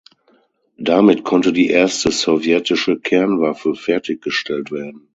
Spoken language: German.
Damit konnte die erste sowjetische Kernwaffe fertiggestellt werden.